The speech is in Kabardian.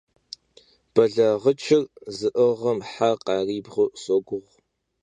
Belağıç'ır zı'ığım he kharibğu şoguğ.